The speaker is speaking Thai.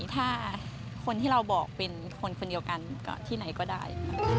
ถ้าคนที่เราบอกเป็นคนคนเดียวกันกับที่ไหนก็ได้